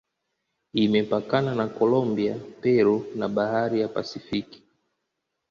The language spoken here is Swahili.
Imepakana na Kolombia, Peru na Bahari ya Pasifiki.